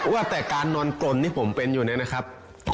ว่าแต่การนอนกลนที่ผมเป็นอยู่เนี่ยนะครับ